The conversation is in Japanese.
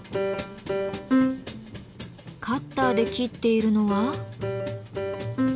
カッターで切っているのは？